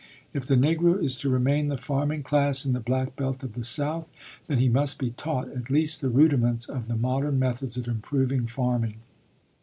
If the Negro is to remain the farming class in the Black Belt of the South, then he must be taught at least the rudiments of the modern methods of improving farming.